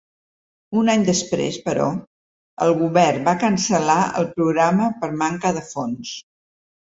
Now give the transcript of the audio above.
Un any després, però, el govern va cancel·lar el programa per manca de fons.